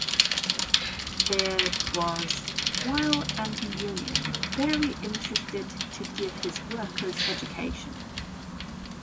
Baird was, while anti-union, very interested to give his workers education.